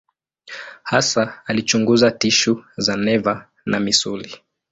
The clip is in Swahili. Hasa alichunguza tishu za neva na misuli.